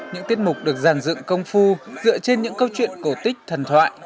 những tiết mục được giàn dựng công phu dựa trên những câu chuyện cổ tích thần thoại